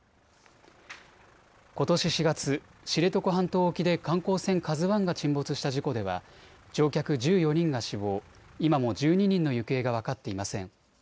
ことし４月、知床半島沖で観光船、ＫＡＺＵＩが沈没した事故では乗客１４人が死亡、今も１２人の行方が分かっていません。